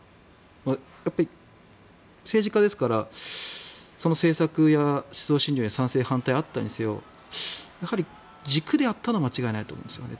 やっぱり政治家ですからその政策や思想信条に賛成、反対はあったにせよ軸であったのは間違いないと思いますよね。